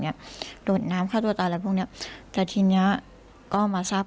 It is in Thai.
โดดน้ำฆ่าตัวตายอะไรพวกเนี้ยแต่ทีเนี้ยก็มาทราบ